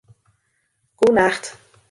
Goenacht